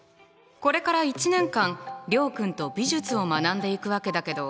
これから１年間諒君と美術を学んでいくわけだけど。